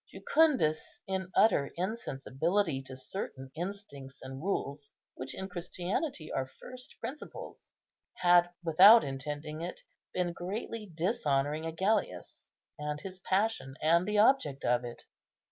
Jucundus, in utter insensibility to certain instincts and rules which in Christianity are first principles, had, without intending it, been greatly dishonouring Agellius, and his passion, and the object of it.